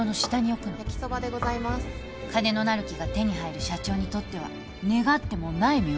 金のなる木が手に入る社長にとっては願ってもない妙案